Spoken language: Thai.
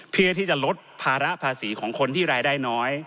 เพื่อที่จะลดภาระภาษีของคนที่รายได้น้อย